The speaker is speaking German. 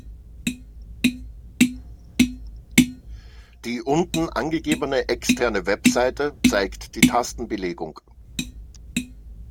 Die unten angegebene externe Webseite zeigt die Tastenbelegung.